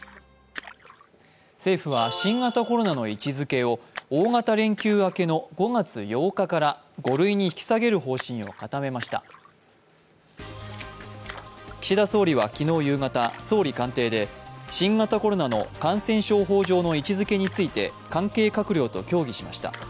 政府は新型コロナの位置づけを大型連休明けの５月８日から５類に引き下げる方針を固めました岸田総理は昨日夕方、総理官邸で、新型コロナの感染症法上の位置づけについて関係閣僚と協議しました。